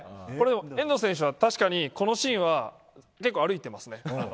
遠藤選手は確かにこのシーンは結構歩いてますね。